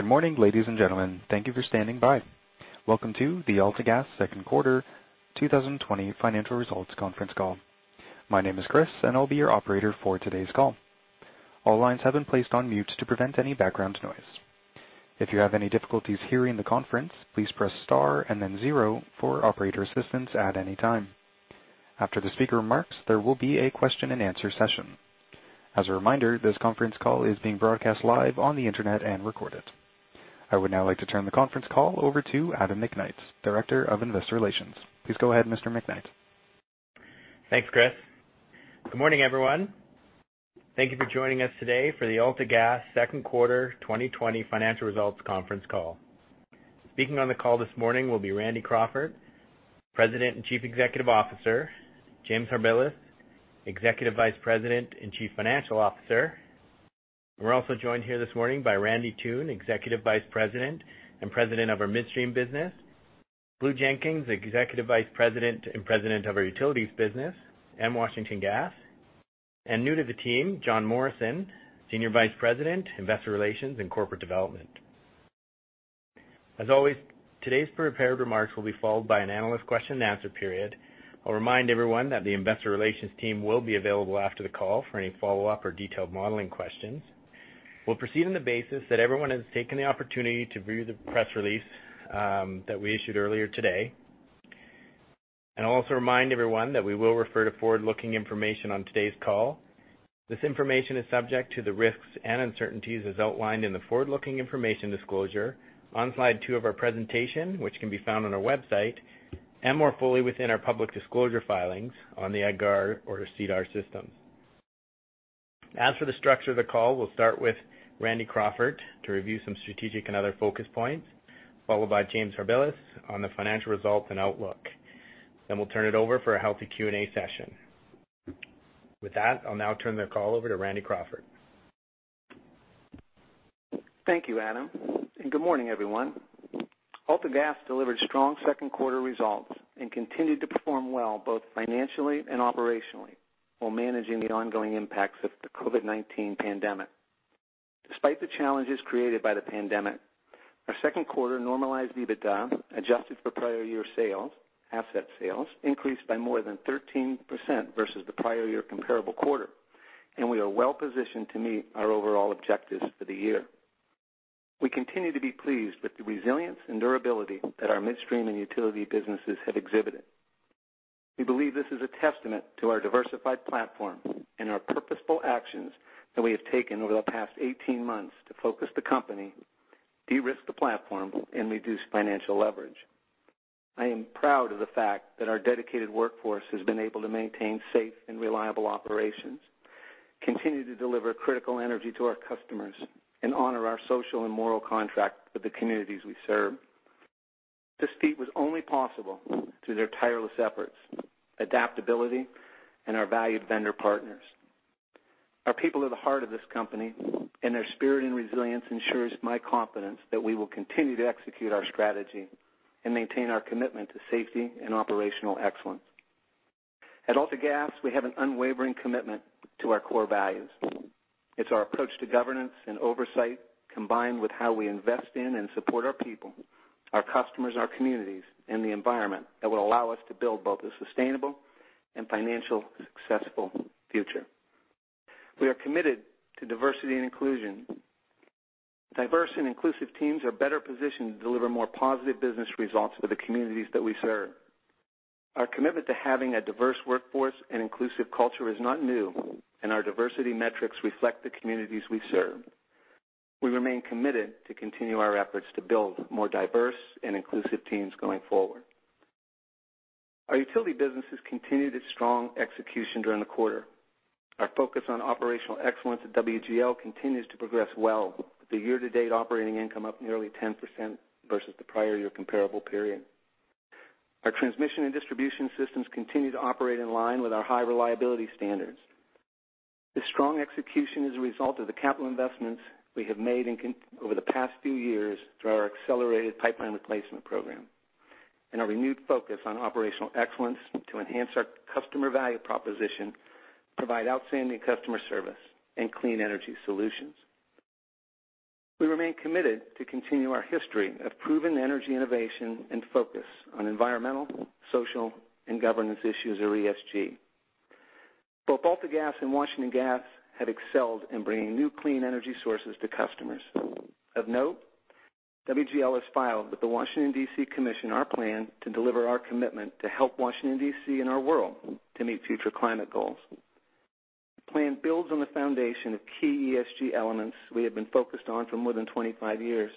Good morning, ladies and gentlemen. Thank you for standing by. Welcome to the AltaGas Second Quarter 2020 Financial Results Conference Call. My name is Chris, and I'll be your operator for today's call. All lines have been placed on mute to prevent any background noise. If you have any difficulties hearing the conference, please press star and then zero for operator assistance at any time. After the speaker marks, there will be a question-and-answer session. As a reminder, this conference call is being broadcast live on the internet and recorded. I would now like to turn the conference call over to Adam McKnight, Director of Investor Relations. Please go ahead, Mr. McKnight. Thanks, Chris. Good morning, everyone. Thank you for joining us today for the AltaGas Second Quarter 2020 Financial Results Conference Call. Speaking on the call this morning will be Randy Crawford, President and Chief Executive Officer, James Harbilas, Executive Vice President and Chief Financial Officer. We're also joined here this morning by Randy Toone, Executive Vice President and President of our Midstream business, Donald Jenkins, Executive Vice President and President of our Utilities business and Washington Gas. New to the team, Jon Morrison, Senior Vice President, Investor Relations and Corporate Development. As always, today's prepared remarks will be followed by an analyst question and answer period. I'll remind everyone that the investor relations team will be available after the call for any follow-up or detailed modeling questions. We'll proceed on the basis that everyone has taken the opportunity to view the press release that we issued earlier today. I'll also remind everyone that we will refer to forward-looking information on today's call. This information is subject to the risks and uncertainties as outlined in the forward-looking information disclosure on slide two of our presentation, which can be found on our website, and more fully within our public disclosure filings on the EDGAR or SEDAR systems. As for the structure of the call, we'll start with Randy Crawford to review some strategic and other focus points, followed by James Harbilas on the financial results and outlook. We'll turn it over for a healthy Q&A session. With that, I'll now turn the call over to Randy Crawford. Thank you, Adam. Good morning, everyone. AltaGas delivered strong second quarter results and continued to perform well both financially and operationally while managing the ongoing impacts of the COVID-19 pandemic. Despite the challenges created by the pandemic, our second quarter normalized EBITDA, adjusted for prior year sales, asset sales, increased by more than 13% versus the prior year comparable quarter, and we are well-positioned to meet our overall objectives for the year. We continue to be pleased with the resilience and durability that our midstream and utility businesses have exhibited. We believe this is a testament to our diversified platform and our purposeful actions that we have taken over the past 18 months to focus the company, de-risk the platform, and reduce financial leverage. I am proud of the fact that our dedicated workforce has been able to maintain safe and reliable operations, continue to deliver critical energy to our customers, and honor our social and moral contract with the communities we serve. This feat was only possible through their tireless efforts, adaptability, and our valued vendor partners. Our people are the heart of this company, and their spirit and resilience ensures my confidence that we will continue to execute our strategy and maintain our commitment to safety and operational excellence. At AltaGas, we have an unwavering commitment to our core values. It's our approach to governance and oversight, combined with how we invest in and support our people, our customers, our communities, and the environment that will allow us to build both a sustainable and financial successful future. We are committed to diversity and inclusion. Diverse and inclusive teams are better positioned to deliver more positive business results for the communities that we serve. Our commitment to having a diverse workforce and inclusive culture is not new, and our diversity metrics reflect the communities we serve. We remain committed to continue our efforts to build more diverse and inclusive teams going forward. Our utility businesses continued its strong execution during the quarter. Our focus on operational excellence at WGL continues to progress well, with the year-to-date operating income up nearly 10% versus the prior year comparable period. Our transmission and distribution systems continue to operate in line with our high reliability standards. This strong execution is a result of the capital investments we have made over the past few years through our accelerated pipeline replacement program and our renewed focus on operational excellence to enhance our customer value proposition, provide outstanding customer service, and clean energy solutions. We remain committed to continue our history of proven energy innovation and focus on environmental, social, and governance issues or ESG. Both AltaGas and Washington Gas have excelled in bringing new clean energy sources to customers. Of note, WGL has filed with the Washington, D.C. Commission our plan to deliver our commitment to help Washington, D.C., and our world to meet future climate goals. The plan builds on the foundation of key ESG elements we have been focused on for more than 25 years.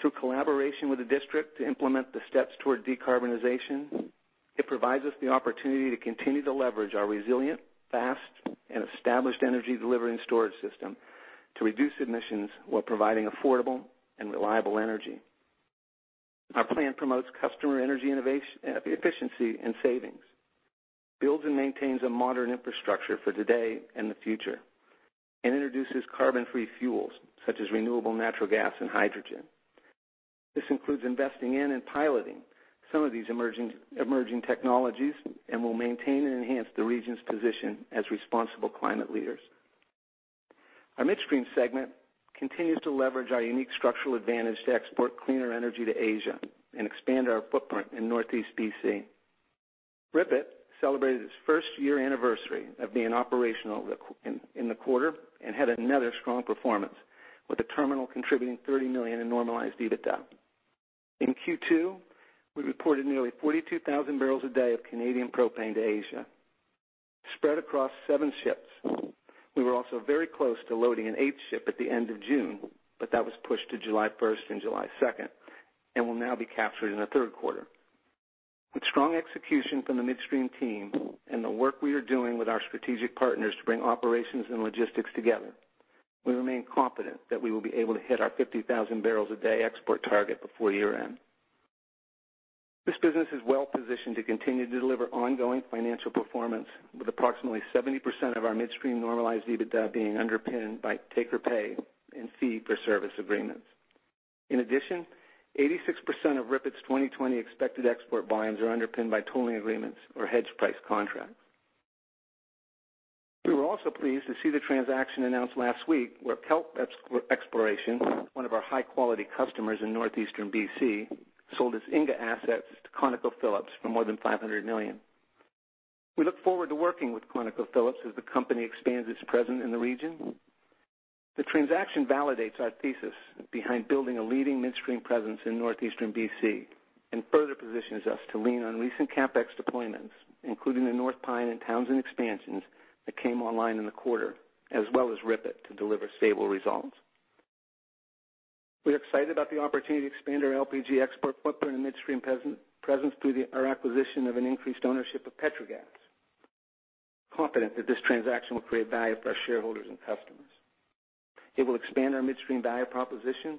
Through collaboration with the District to implement the steps toward decarbonization, it provides us the opportunity to continue to leverage our resilient, fast, and established energy delivery and storage system to reduce emissions while providing affordable and reliable energy. Our plan promotes customer energy efficiency and savings, builds and maintains a modern infrastructure for today and the future, and introduces carbon-free fuels such as renewable natural gas and hydrogen. This includes investing in and piloting some of these emerging technologies and will maintain and enhance the region's position as responsible climate leaders. Our midstream segment continues to leverage our unique structural advantage to export cleaner energy to Asia and expand our footprint in Northeast B.C. RIPET celebrated its first year anniversary of being operational in the quarter and had another strong performance, with the terminal contributing 30 million in normalized EBITDA. In Q2, we reported nearly 42,000 bpd of Canadian propane to Asia, spread across seven ships. We were also very close to loading an eighth ship at the end of June, but that was pushed to July 1st and July 2nd, and will now be captured in the third quarter. With strong execution from the midstream team and the work we are doing with our strategic partners to bring operations and logistics together, we remain confident that we will be able to hit our 50,000 bpd export target before year-end. This business is well-positioned to continue to deliver ongoing financial performance with approximately 70% of our midstream normalized EBITDA being underpinned by take-or-pay and fee-for-service agreements. In addition, 86% of RIPET's 2020 expected export volumes are underpinned by tolling agreements or hedge price contracts. We were also pleased to see the transaction announced last week where Kelt Exploration, one of our high-quality customers in northeastern B.C., sold its Inga assets to ConocoPhillips for more than 500 million. We look forward to working with ConocoPhillips as the company expands its presence in the region. The transaction validates our thesis behind building a leading midstream presence in northeastern B.C. and further positions us to lean on recent CapEx deployments, including the North Pine and Townsend expansions that came online in the quarter, as well as Ripon, to deliver stable results. We are excited about the opportunity to expand our LPG export footprint and midstream presence through our acquisition of an increased ownership of Petrogas, confident that this transaction will create value for our shareholders and customers. It will expand our midstream value proposition.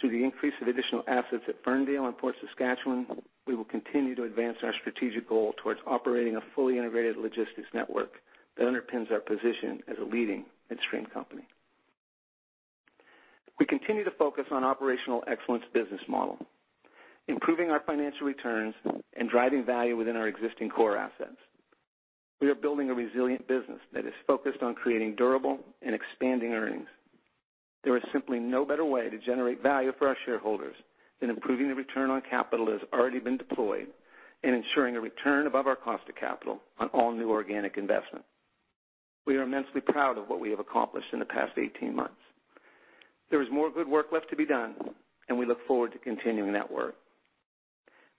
Through the increase of additional assets at Ferndale and Fort Saskatchewan, we will continue to advance our strategic goal towards operating a fully integrated logistics network that underpins our position as a leading midstream company. We continue to focus on operational excellence business model, improving our financial returns and driving value within our existing core assets. We are building a resilient business that is focused on creating durable and expanding earnings. There is simply no better way to generate value for our shareholders than improving the return on capital that has already been deployed and ensuring a return above our cost of capital on all new organic investment. We are immensely proud of what we have accomplished in the past 18 months. There is more good work left to be done, and we look forward to continuing that work.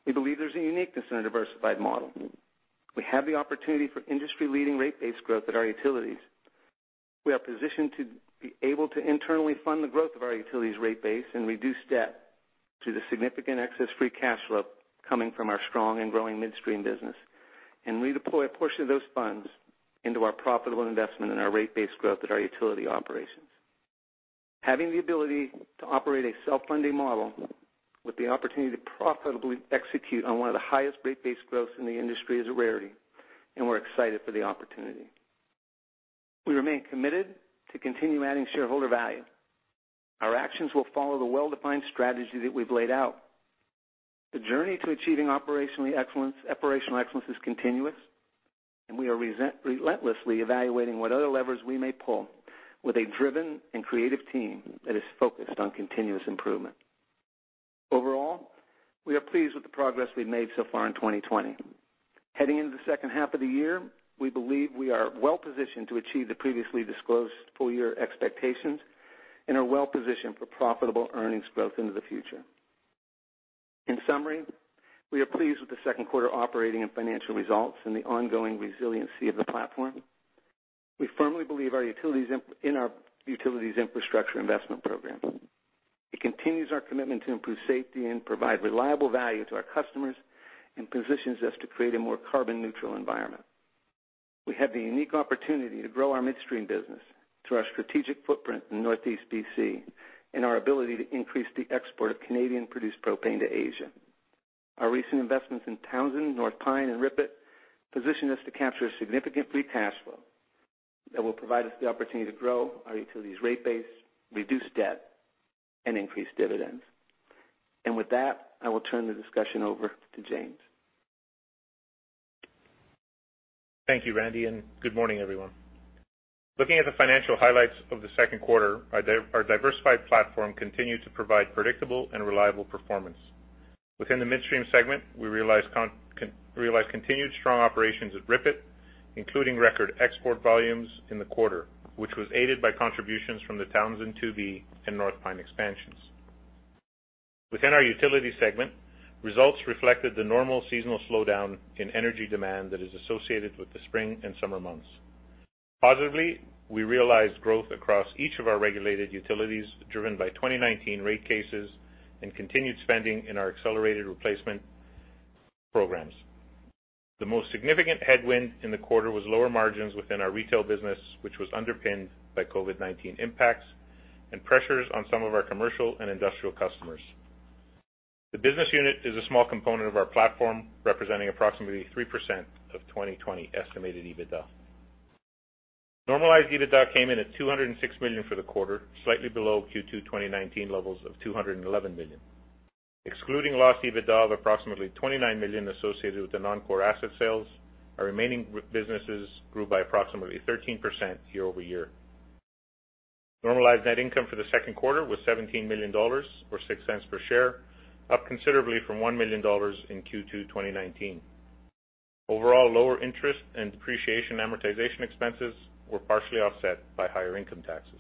We believe there's a uniqueness in a diversified model. We have the opportunity for industry-leading rate base growth at our utilities. We are positioned to be able to internally fund the growth of our utilities' rate base and reduce debt through the significant excess free cash flow coming from our strong and growing midstream business and redeploy a portion of those funds into our profitable investment and our rate base growth at our utility operations. Having the ability to operate a self-funding model with the opportunity to profitably execute on one of the highest rate base growths in the industry is a rarity, and we're excited for the opportunity. We remain committed to continue adding shareholder value. Our actions will follow the well-defined strategy that we've laid out. The journey to achieving operational excellence is continuous, and we are relentlessly evaluating what other levers we may pull with a driven and creative team that is focused on continuous improvement. Overall, we are pleased with the progress we've made so far in 2020. Heading into the second half of the year, we believe we are well-positioned to achieve the previously disclosed full-year expectations and are well-positioned for profitable earnings growth into the future. In summary, we are pleased with the second quarter operating and financial results and the ongoing resiliency of the platform. We firmly believe in our utilities infrastructure investment program. It continues our commitment to improve safety and provide reliable value to our customers and positions us to create a more carbon-neutral environment. We have the unique opportunity to grow our midstream business through our strategic footprint in Northeast B.C. and our ability to increase the export of Canadian-produced propane to Asia. Our recent investments in Townsend, North Pine and Ripon position us to capture a significant free cash flow that will provide us the opportunity to grow our utilities rate base, reduce debt, and increase dividends. With that, I will turn the discussion over to James. Thank you, Randy. Good morning, everyone. Looking at the financial highlights of the second quarter, our diversified platform continued to provide predictable and reliable performance. Within the midstream segment, we realized continued strong operations at Ripon, including record export volumes in the quarter, which was aided by contributions from the Townsend 2B and North Pine expansions. Within our utility segment, results reflected the normal seasonal slowdown in energy demand that is associated with the spring and summer months. Positively, we realized growth across each of our regulated utilities, driven by 2019 rate cases and continued spending in our accelerated replacement programs. The most significant headwind in the quarter was lower margins within our retail business, which was underpinned by COVID-19 impacts and pressures on some of our commercial and industrial customers. The business unit is a small component of our platform, representing approximately 3% of 2020 estimated EBITDA. Normalized EBITDA came in at 206 million for the quarter, slightly below Q2 2019 levels of 211 million. Excluding lost EBITDA of approximately 29 million associated with the non-core asset sales, our remaining businesses grew by approximately 13% year-over-year. Normalized net income for the second quarter was 17 million dollars, or 0.06 per share, up considerably from 1 million dollars in Q2 2019. Lower interest and depreciation amortization expenses were partially offset by higher income taxes.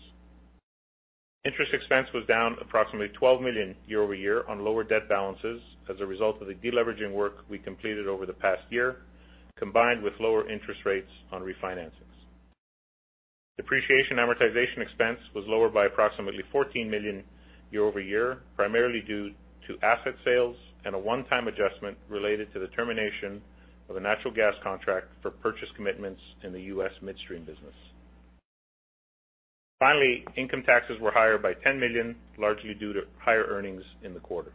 Interest expense was down approximately 12 million year-over-year on lower debt balances as a result of the de-leveraging work we completed over the past year, combined with lower interest rates on refinancings. Depreciation amortization expense was lower by approximately 14 million year-over-year, primarily due to asset sales and a one-time adjustment related to the termination of a natural gas contract for purchase commitments in the U.S. midstream business. Income taxes were higher by 10 million, largely due to higher earnings in the quarter.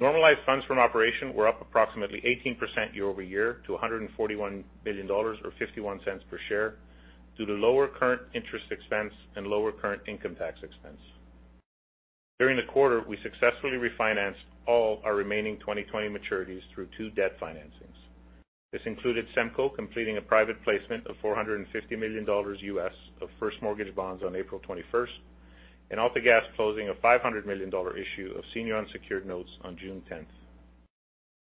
Normalized funds from operation were up approximately 18% year-over-year to 141 million dollars, or 0.51 per share, due to lower current interest expense and lower current income tax expense. During the quarter, we successfully refinanced all our remaining 2020 maturities through two debt financings. This included SEMCO completing a private placement of $450 million U.S. of first mortgage bonds on April 21st, and AltaGas closing a 500 million dollar issue of senior unsecured notes on June 10th.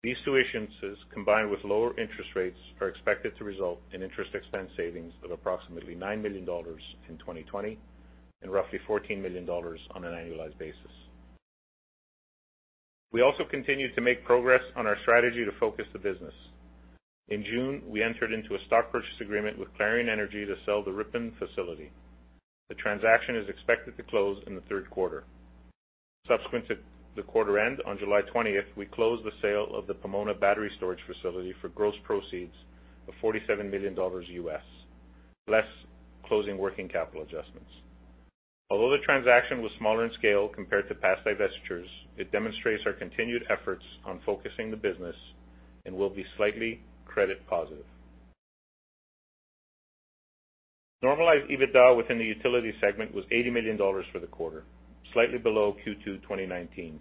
These two issuances, combined with lower interest rates, are expected to result in interest expense savings of approximately 9 million dollars in 2020 and roughly 14 million dollars on an annualized basis. We also continued to make progress on our strategy to focus the business. In June, we entered into a stock purchase agreement with Clarion Energy to sell the Ripon facility. The transaction is expected to close in the third quarter. Subsequent to the quarter end, on July 20th, we closed the sale of the Pomona battery storage facility for gross proceeds of $47 million U.S., less closing working capital adjustments. Although the transaction was smaller in scale compared to past divestitures, it demonstrates our continued efforts on focusing the business and will be slightly credit positive. Normalized EBITDA within the utility segment was 80 million dollars for the quarter, slightly below Q2 2019.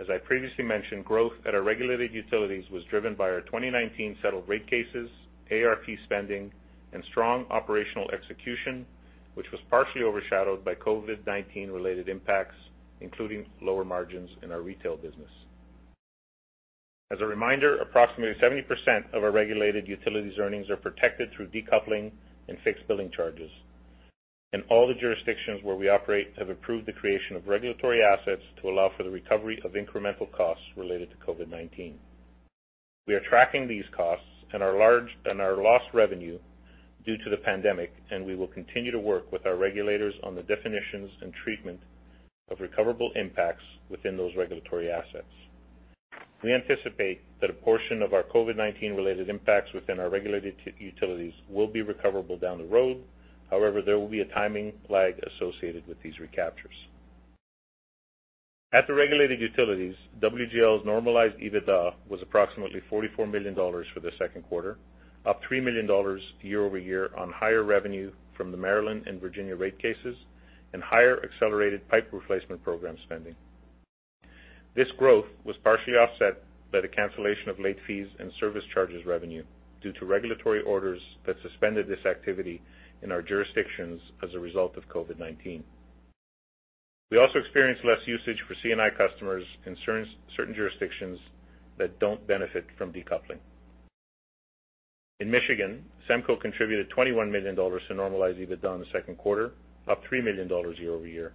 As I previously mentioned, growth at our regulated utilities was driven by our 2019 settled rate cases, ARP spending and strong operational execution, which was partially overshadowed by COVID-19-related impacts, including lower margins in our retail business. As a reminder, approximately 70% of our regulated utilities earnings are protected through decoupling and fixed billing charges, and all the jurisdictions where we operate have approved the creation of regulatory assets to allow for the recovery of incremental costs related to COVID-19. We are tracking these costs and our lost revenue due to the pandemic, and we will continue to work with our regulators on the definitions and treatment of recoverable impacts within those regulatory assets. We anticipate that a portion of our COVID-19-related impacts within our regulated utilities will be recoverable down the road. However, there will be a timing lag associated with these recaptures. At the regulated utilities, WGL's normalized EBITDA was approximately 44 million dollars for the second quarter, up 3 million dollars year-over-year on higher revenue from the Maryland and Virginia rate cases and higher accelerated pipe replacement program spending. This growth was partially offset by the cancellation of late fees and service charges revenue due to regulatory orders that suspended this activity in our jurisdictions as a result of COVID-19. We also experienced less usage for C&I customers in certain jurisdictions that don't benefit from decoupling. In Michigan, SEMCO contributed 21 million dollars to normalized EBITDA in the second quarter, up 3 million dollars year-over-year.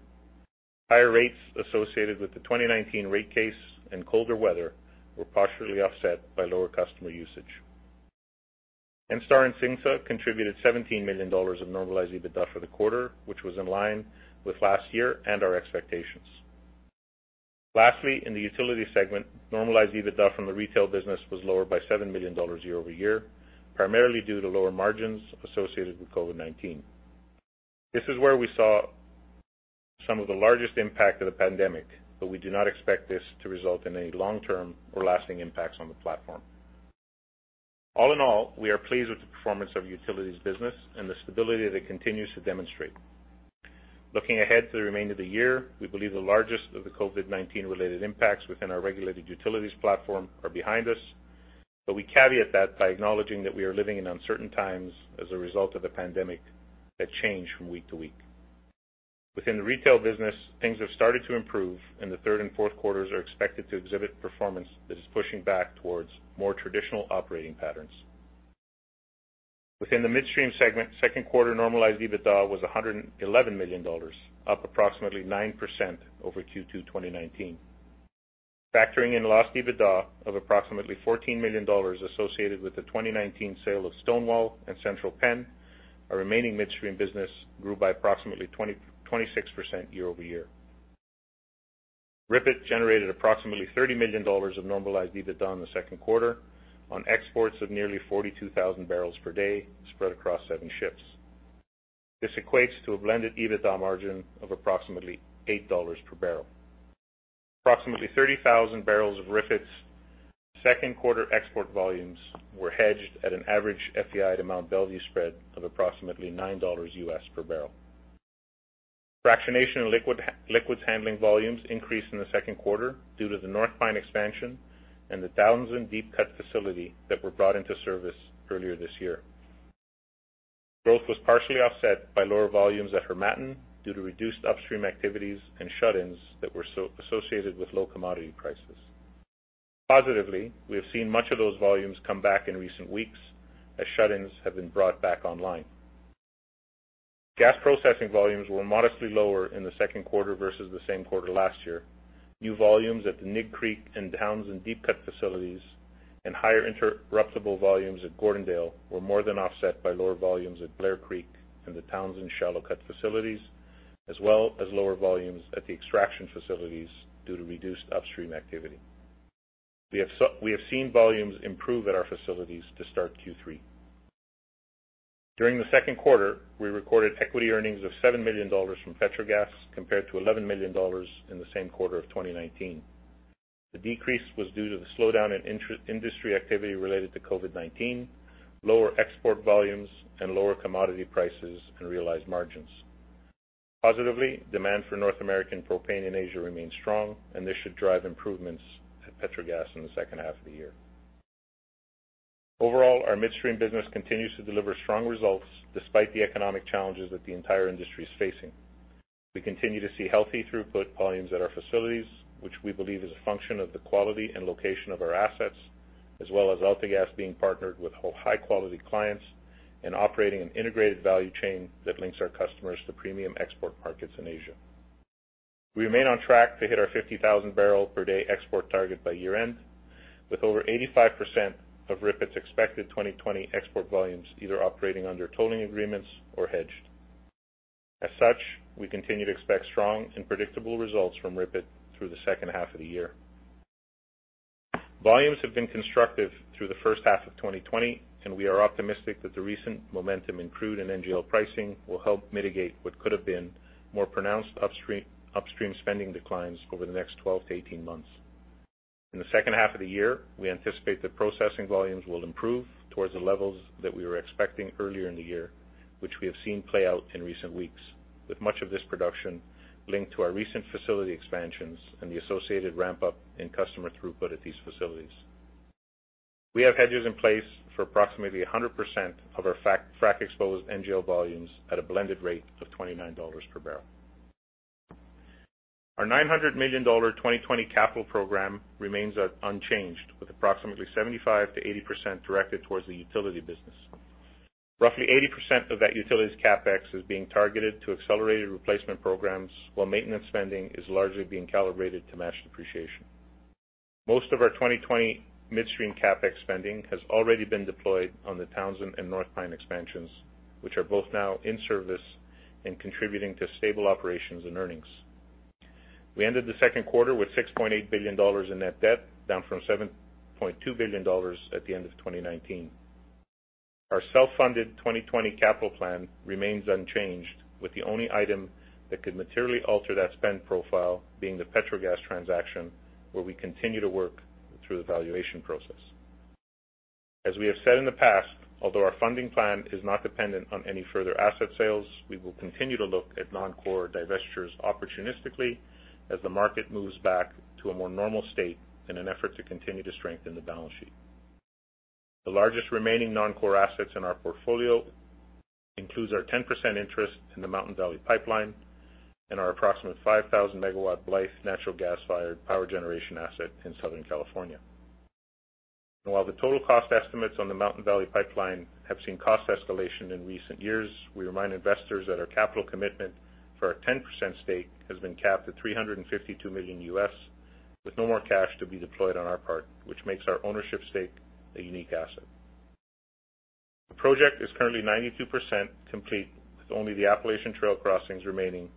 Higher rates associated with the 2019 rate case and colder weather were partially offset by lower customer usage. ENSTAR and CINGSA contributed 17 million dollars of normalized EBITDA for the quarter, which was in line with last year and our expectations. Lastly, in the utility segment, normalized EBITDA from the retail business was lower by 7 million dollars year-over-year, primarily due to lower margins associated with COVID-19. This is where we saw some of the largest impact of the pandemic, but we do not expect this to result in any long-term or lasting impacts on the platform. All in all, we are pleased with the performance of the utilities business and the stability that it continues to demonstrate. Looking ahead to the remainder of the year, we believe the largest of the COVID-19-related impacts within our regulated utilities platform are behind us. We caveat that by acknowledging that we are living in uncertain times as a result of the pandemic that change from week to week. Within the retail business, things have started to improve. The third and fourth quarters are expected to exhibit performance that is pushing back towards more traditional operating patterns. Within the midstream segment, second quarter normalized EBITDA was 111 million dollars, up approximately 9% over Q2 2019. Factoring in lost EBITDA of approximately 14 million dollars associated with the 2019 sale of Stonewall and Central Penn, our remaining midstream business grew by approximately 26% year-over-year. RIPET generated approximately 30 million dollars of normalized EBITDA in the second quarter on exports of nearly 42,000 barrels per day spread across seven ships. This equates to a blended EBITDA margin of approximately 8 dollars per barrel. Approximately 30,000 barrels of RIPET's second quarter export volumes were hedged at an average FEI to Mont Belvieu spread of approximately $9/bbl. Fractionation and liquids handling volumes increased in the second quarter due to the North Pine expansion and the Townsend deep cut facility that were brought into service earlier this year. Growth was partially offset by lower volumes at Harmattan due to reduced upstream activities and shut-ins that were associated with low commodity prices. Positively, we have seen much of those volumes come back in recent weeks as shut-ins have been brought back online. Gas processing volumes were modestly lower in the second quarter versus the same quarter last year. New volumes at the Nig Creek and Townsend deep cut facilities and higher interruptible volumes at Gordondale were more than offset by lower volumes at Blair Creek and the Townsend shallow cut facilities, as well as lower volumes at the extraction facilities due to reduced upstream activity. We have seen volumes improve at our facilities to start Q3. During the second quarter, we recorded equity earnings of 7 million dollars from Petrogas, compared to 11 million dollars in the same quarter of 2019. The decrease was due to the slowdown in industry activity related to COVID-19, lower export volumes, and lower commodity prices and realized margins. Positively, demand for North American propane in Asia remains strong, and this should drive improvements at Petrogas in the second half of the year. Overall, our midstream business continues to deliver strong results despite the economic challenges that the entire industry is facing. We continue to see healthy throughput volumes at our facilities, which we believe is a function of the quality and location of our assets, as well as AltaGas being partnered with high-quality clients and operating an integrated value chain that links our customers to premium export markets in Asia. We remain on track to hit our 50,000 bpd export target by year-end, with over 85% of RIPET's expected 2020 export volumes either operating under tolling agreements or hedged. We continue to expect strong and predictable results from RIPET through the second half of the year. Volumes have been constructive through the first half of 2020. We are optimistic that the recent momentum in crude and NGL pricing will help mitigate what could have been more pronounced upstream spending declines over the next 12-18 months. In the second half of the year, we anticipate that processing volumes will improve towards the levels that we were expecting earlier in the year, which we have seen play out in recent weeks, with much of this production linked to our recent facility expansions and the associated ramp-up in customer throughput at these facilities. We have hedges in place for approximately 100% of our frac-exposed NGL volumes at a blended rate of 29 dollars/bbl. Our 900 million dollar 2020 capital program remains unchanged, with approximately 75%-80% directed towards the utility business. Roughly 80% of that utilities CapEx is being targeted to accelerated replacement programs, while maintenance spending is largely being calibrated to match depreciation. Most of our 2020 midstream CapEx spending has already been deployed on the Townsend and North Pine expansions, which are both now in service and contributing to stable operations and earnings. We ended the second quarter with 6.8 billion dollars in net debt, down from 7.2 billion dollars at the end of 2019. Our self-funded 2020 capital plan remains unchanged, with the only item that could materially alter that spend profile being the Petrogas transaction, where we continue to work through the valuation process. As we have said in the past, although our funding plan is not dependent on any further asset sales, we will continue to look at non-core divestitures opportunistically as the market moves back to a more normal state in an effort to continue to strengthen the balance sheet. The largest remaining non-core assets in our portfolio includes our 10% interest in the Mountain Valley Pipeline and our approximate 5,000 MW Blythe natural gas-fired power generation asset in Southern California. While the total cost estimates on the Mountain Valley Pipeline have seen cost escalation in recent years, we remind investors that our capital commitment for our 10% stake has been capped at $352 million, with no more cash to be deployed on our part, which makes our ownership stake a unique asset. The project is currently 92% complete, with only the Appalachian Trail crossings remaining,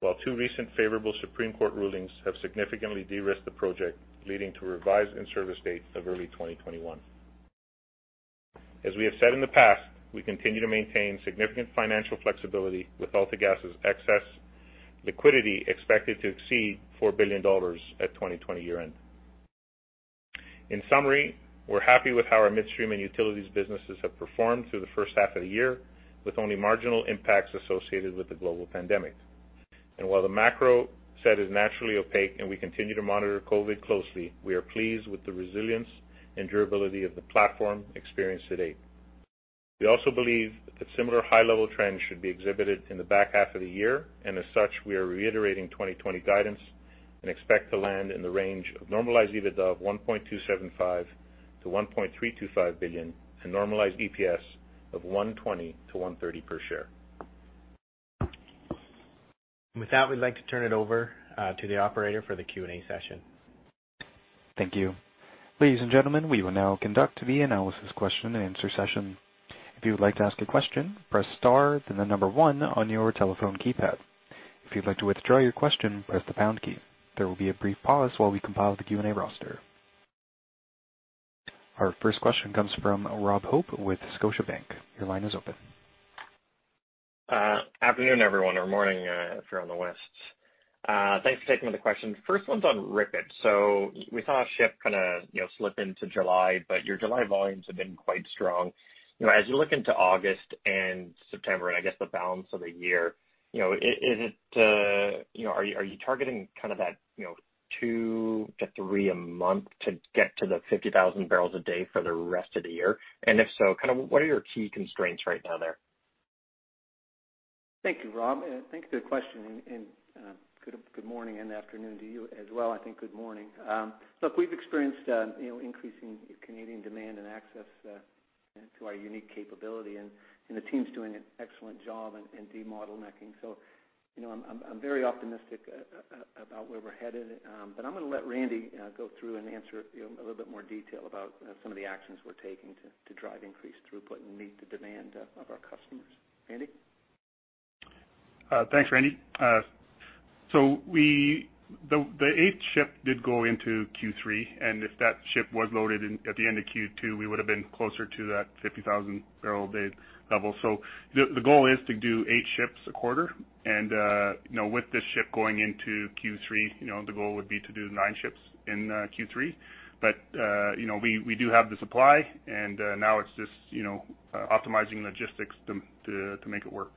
while two recent favorable Supreme Court rulings have significantly de-risked the project, leading to a revised in-service date of early 2021. As we have said in the past, we continue to maintain significant financial flexibility with AltaGas's excess liquidity expected to exceed 4 billion dollars at 2020 year-end. In summary, we're happy with how our midstream and utilities businesses have performed through the first half of the year, with only marginal impacts associated with the global pandemic. While the macro set is naturally opaque and we continue to monitor COVID closely, we are pleased with the resilience and durability of the platform experienced to date. We also believe that similar high-level trends should be exhibited in the back half of the year, and as such, we are reiterating 2020 guidance and expect to land in the range of normalized EBITDA of 1.275 billion-1.325 billion and normalized EPS of 1.20-1.30 per share. With that, we'd like to turn it over to the operator for the Q&A session. Thank you. Ladies and gentlemen, we will now conduct the analysis question-and-answer session. If you would like to ask a question, press star, then the number one on your telephone keypad. If you'd like to withdraw your question, press the pound key. There will be a brief pause while we compile the Q&A roster. Our first question comes from Rob Hope with Scotiabank. Your line is open. Afternoon, everyone, or morning, if you're on the West. Thanks for taking the questions. First one's on RIPET. We saw a ship slip into July. Your July volumes have been quite strong. As you look into August and September and I guess the balance of the year, are you targeting that two to three a month to get to the 50,000 bpd for the rest of the year? If so, what are your key constraints right now there? Thank you, Rob. Thanks for the question. Good morning and afternoon to you as well. I think good morning. Look, we've experienced increasing Canadian demand and access to our unique capability, and the team's doing an excellent job in de-bottlenecking. I'm very optimistic about where we're headed. I'm going to let Randy go through and answer a little bit more detail about some of the actions we're taking to drive increased throughput and meet the demand of our customers. Randy? Thanks, Randy. The eighth ship did go into Q3. If that ship was loaded at the end of Q2, we would've been closer to that 50,000 barrel a day level. The goal is to do eight ships a quarter. With this ship going into Q3, the goal would be to do nine ships in Q3. We do have the supply, and now it's just optimizing logistics to make it work.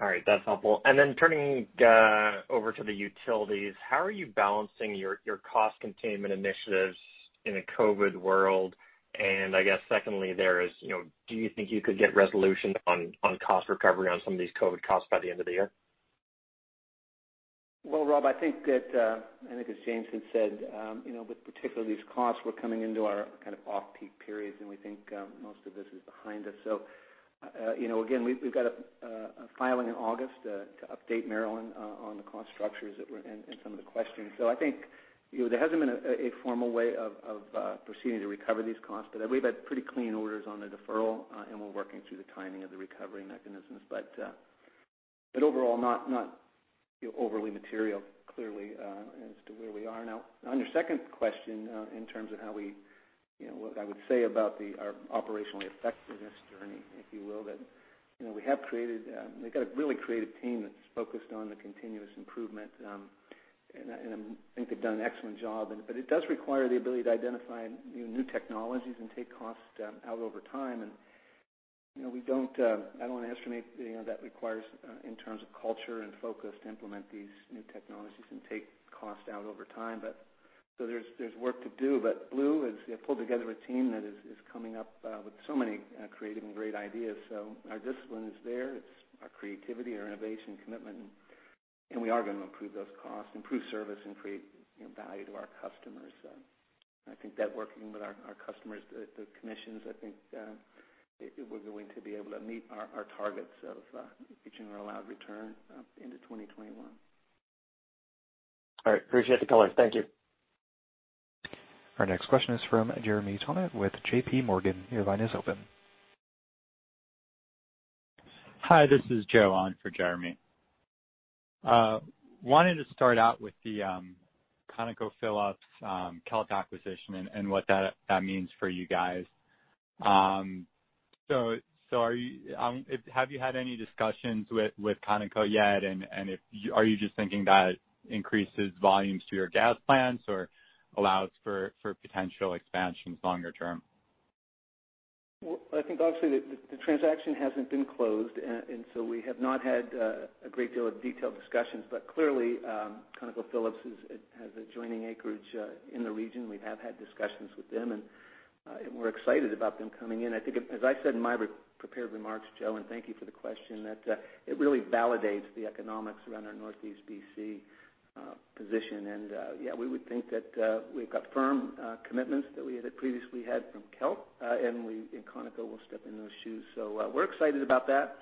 All right. That's helpful. Turning over to the utilities, how are you balancing your cost containment initiatives in a COVID world? Secondly, do you think you could get resolution on cost recovery on some of these COVID costs by the end of the year? Well, Rob, I think as James had said, with particularly these costs, we're coming into our off-peak periods, and we think most of this is behind us. Again, we've got a filing in August to update Maryland on the cost structures and some of the questions. I think there hasn't been a formal way of proceeding to recover these costs, but we've had pretty clean orders on the deferral, and we're working through the timing of the recovery mechanisms. Overall, not overly material, clearly, as to where we are now. On your second question, in terms of what I would say about our operational effectiveness journey, if you will, that we've got a really creative team that's focused on the continuous improvement. I think they've done an excellent job. It does require the ability to identify new technologies and take costs out over time, and I don't want to estimate that requires in terms of culture and focus to implement these new technologies and take cost out over time. There's work to do, but Blue has pulled together a team that is coming up with so many creative and great ideas. Our discipline is there. It's our creativity, our innovation commitment, and we are going to improve those costs, improve service, and create value to our customers. I think that working with our customers, the commissions, I think we're going to be able to meet our targets of a general allowed return into 2021. All right. Appreciate the color. Thank you. Our next question is from Jeremy Tonet with JPMorgan. Your line is open. Hi, this is Joe on for Jeremy. Wanted to start out with the ConocoPhillips Kelt acquisition and what that means for you guys. Have you had any discussions with Conoco yet, and are you just thinking that increases volumes to your gas plants or allows for potential expansions longer term? Well, I think obviously the transaction hasn't been closed, and so we have not had a great deal of detailed discussions. Clearly, ConocoPhillips has adjoining acreage in the region. We have had discussions with them, and we're excited about them coming in. I think as I said in my prepared remarks, Joe, and thank you for the question, that it really validates the economics around our Northeast B.C. position. Yeah, we would think that we've got firm commitments that we previously had from Kelt, and Conoco will step into those shoes. We're excited about that.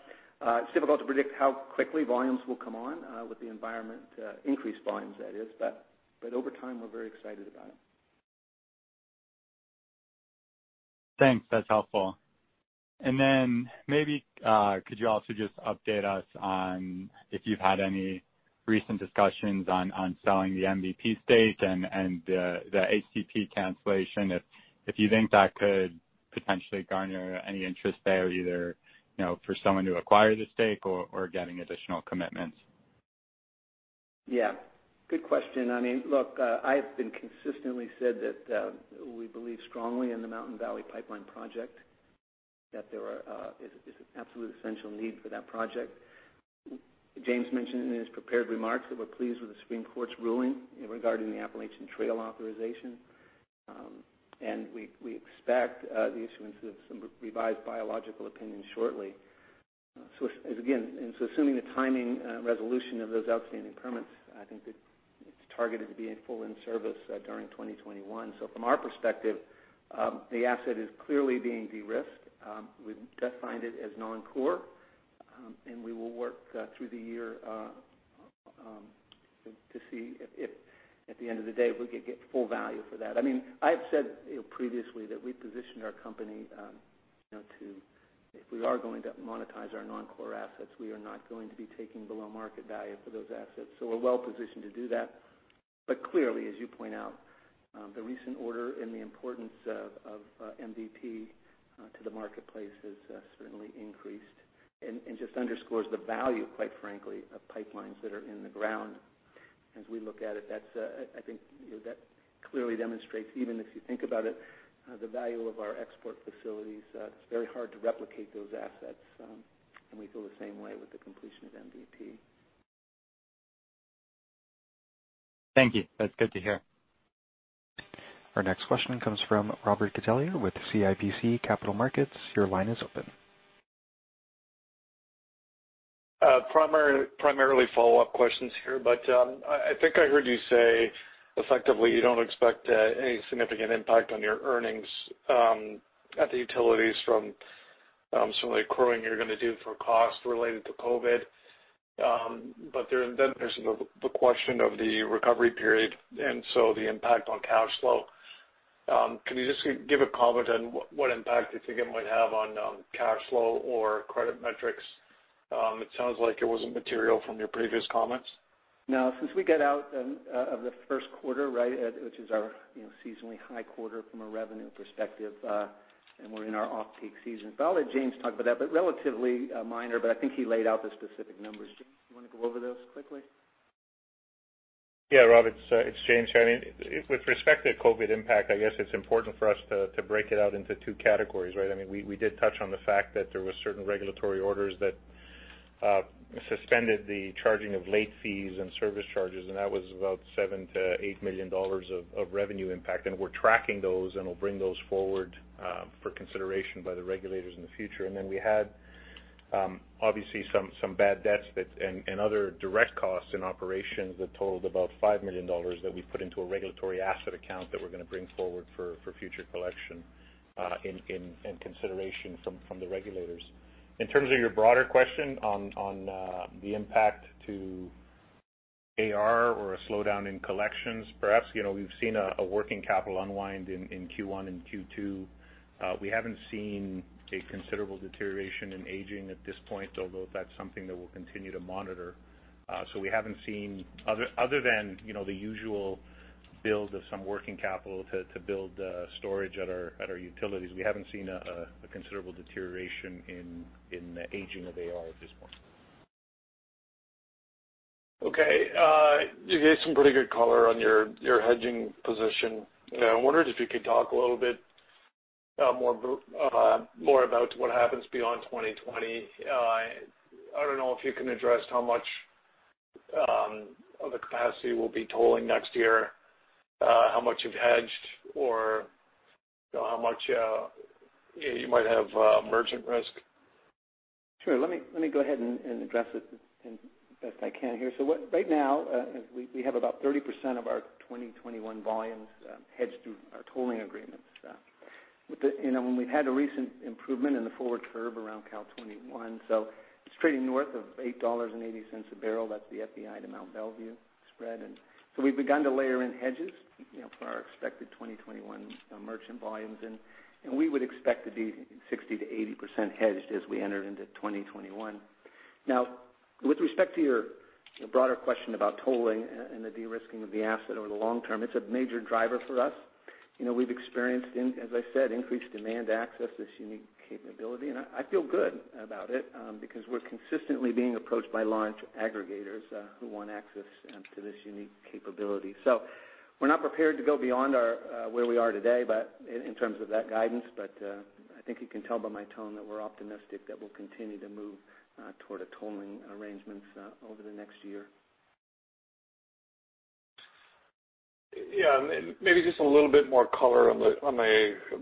It's difficult to predict how quickly volumes will come on with the environment, increased volumes that is, but over time, we're very excited about it. Thanks. That's helpful. Maybe could you also just update us on if you've had any recent discussions on selling the MVP stake and the ACP cancellation, if you think that could potentially garner any interest there, either for someone to acquire the stake or getting additional commitments? Good question. I have been consistently said that we believe strongly in the Mountain Valley Pipeline project, that there is an absolute essential need for that project. James mentioned in his prepared remarks that we're pleased with the Supreme Court's ruling regarding the Appalachian Trail authorization. We expect the issuance of some revised biological opinions shortly. Again, assuming the timing resolution of those outstanding permits, I think that it's targeted to be in full in-service during 2021. From our perspective, the asset is clearly being de-risked. We've defined it as non-core, we will work through the year to see if at the end of the day, we could get full value for that. I mean, I've said previously that we positioned our company. If we are going to monetize our non-core assets, we are not going to be taking below market value for those assets. We're well-positioned to do that. Clearly, as you point out, the recent order and the importance of MVP to the marketplace has certainly increased and just underscores the value, quite frankly, of pipelines that are in the ground. As we look at it, I think that clearly demonstrates, even if you think about it, the value of our export facilities. It's very hard to replicate those assets. We feel the same way with the completion of MVP. Thank you. That's good to hear. Our next question comes from Robert Catellier with CIBC Capital Markets. Your line is open. Primarily follow-up questions here, but I think I heard you say effectively you don't expect any significant impact on your earnings at the utilities from certainly accruing you're going to do for cost related to COVID. There's the question of the recovery period and so the impact on cash flow. Can you just give a comment on what impact you think it might have on cash flow or credit metrics? It sounds like it wasn't material from your previous comments. No. Since we got out of the first quarter, which is our seasonally high quarter from a revenue perspective, and we're in our off-peak season. I'll let James talk about that, but relatively minor, but I think he laid out the specific numbers. James, you want to go over those quickly? Rob, it's James here. With respect to COVID-19 impact, I guess it's important for us to break it out into two categories, right? We did touch on the fact that there was certain regulatory orders that suspended the charging of late fees and service charges, that was about 7 million-8 million dollars of revenue impact, we're tracking those, we'll bring those forward for consideration by the regulators in the future. Then we had obviously some bad debts and other direct costs in operations that totaled about 5 million dollars that we put into a regulatory asset account that we're going to bring forward for future collection in consideration from the regulators. In terms of your broader question on the impact to AR or a slowdown in collections, perhaps, we've seen a working capital unwind in Q1 and Q2. We haven't seen a considerable deterioration in aging at this point, although that's something that we'll continue to monitor. We haven't seen, other than the usual build of some working capital to build storage at our utilities, we haven't seen a considerable deterioration in the aging of AR at this point. Okay. You gave some pretty good color on your hedging position. I wondered if you could talk a little bit more about what happens beyond 2020? I don't know if you can address how much of the capacity we'll be tolling next year, how much you've hedged, or how much you might have merchant risk? Sure. Let me go ahead and address it the best I can here. Right now, we have about 30% of our 2021 volumes hedged through our tolling agreements. When we've had a recent improvement in the forward curve around CAL 21, it's trading north of 8.80 dollars/bbl. That's the FEI to Mont Belvieu spread. We've begun to layer in hedges for our expected 2021 merchant volumes. We would expect to be 60%-80% hedged as we entered into 2021. Now, with respect to your broader question about tolling and the de-risking of the asset over the long term, it's a major driver for us. We've experienced, as I said, increased demand to access this unique capability. I feel good about it because we're consistently being approached by large aggregators who want access to this unique capability. We're not prepared to go beyond where we are today in terms of that guidance, but I think you can tell by my tone that we're optimistic that we'll continue to move toward a tolling arrangement over the next year. Yeah. Maybe just a little bit more color on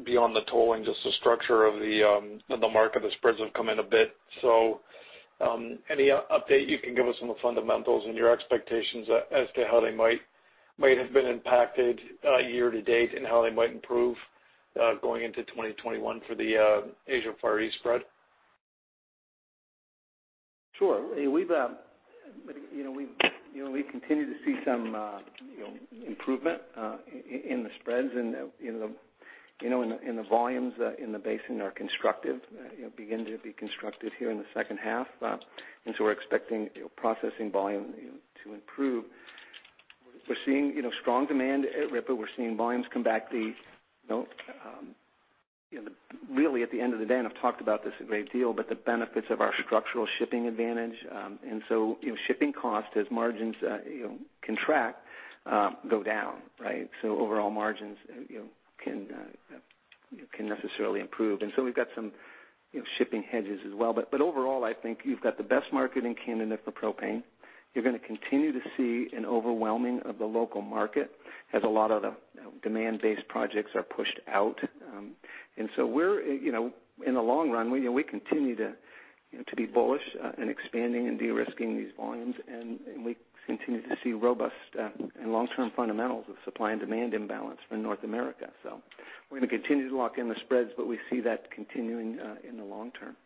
beyond the tolling, just the structure of the market. The spreads have come in a bit. Any update you can give us on the fundamentals and your expectations as to how they might have been impacted year-to-date and how they might improve going into 2021 for the Asia Far East spread? Sure. We continue to see some improvement in the spreads and the volumes in the basin are constructive, begin to be constructive here in the second half. We're expecting processing volume to improve. We're seeing strong demand at RIPET. We're seeing volumes come back. Really at the end of the day, and I've talked about this a great deal, but the benefits of our structural shipping advantage. Shipping cost as margins contract go down. Overall margins can necessarily improve. We've got some shipping hedges as well. Overall, I think you've got the best market in Canada for propane. You're going to continue to see an overwhelming of the local market as a lot of the demand-based projects are pushed out. In the long run, we continue to be bullish in expanding and de-risking these volumes, and we continue to see robust and long-term fundamentals of supply and demand imbalance in North America. We're going to continue to lock in the spreads, but we see that continuing in the long term.